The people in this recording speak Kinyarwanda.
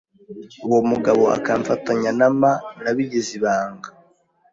uwo mugabo akamfatanya na ma nabigize ibanga